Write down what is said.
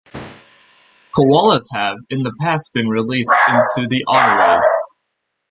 Koalas have in the past been released into the Otways.